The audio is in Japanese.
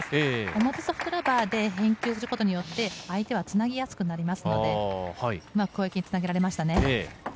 表ソフトラバーで返球することによって相手はつなぎやすくなりますので攻撃につなげられましたね。